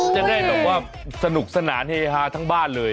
จะได้แบบว่าสนุกสนานเฮฮาทั้งบ้านเลย